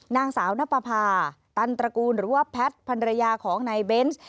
นางสาวนับประพาตันตระกูลหรือว่าแพทย์พันรยาของนายเบนส์